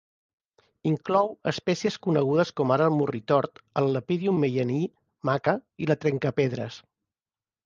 Inclou espècies conegudes com ara el morritort, el "Lepidium meyenii" (maca) i la trencapedres.